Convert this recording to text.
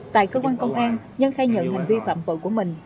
tại cơ quan công an nhân khai nhận ngành vi phạm vợ của mình